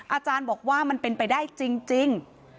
อาจารย์บอกว่ามันเป็นไปได้จริง